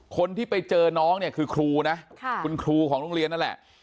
คนที่ไปเจอน้องเนี่ยคือครูนะคุณครูของโรงเรียนนั่นแหละ